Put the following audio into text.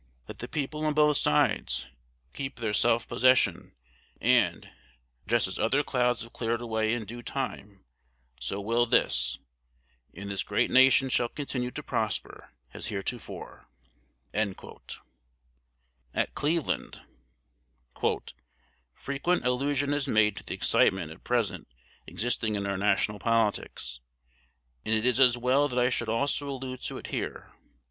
Let the people on both sides keep their self possession, and, just as other clouds have cleared away in due time, so will this; and this great nation shall continue to prosper as heretofore_." At Cleveland: "Frequent allusion is made to the excitement at present existing in our national politics, and it is as well that I should also allude to it here.